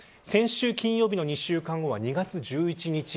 先週金曜日の２週間後は２月１１日。